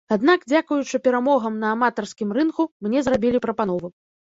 Аднак дзякуючы перамогам на аматарскім рынгу мне зрабілі прапанову.